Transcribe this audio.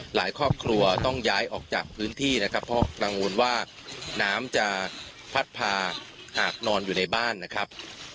ครอบครัวต้องย้ายออกจากพื้นที่นะครับเพราะกังวลว่าน้ำจะพัดพาหากนอนอยู่ในบ้านนะครับ